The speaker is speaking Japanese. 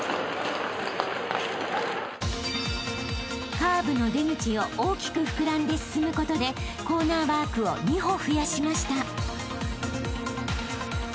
［カーブの出口を大きく膨らんで進むことでコーナーワークを２歩増やしました］